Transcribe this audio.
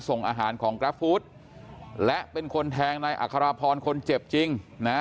ส่งอาหารของกราฟฟู้ดและเป็นคนแทงนายอัครพรคนเจ็บจริงนะ